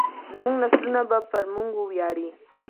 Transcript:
زموږ نسلونه به پر موږ وویاړي.